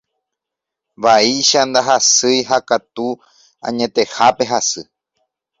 Vaicha ndahasýi ha katu añetehápe hasy.